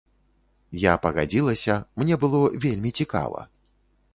Я пагадзілася, мне было вельмі цікава.